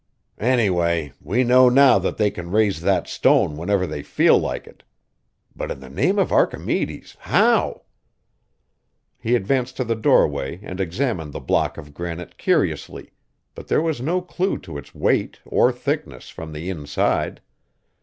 "Anyway, we know now that they can raise that stone whenever they feel like it. But in the name of Archimedes, how?" He advanced to the doorway and examined the block of granite curiously, but there was no clue to its weight or thickness from the inside.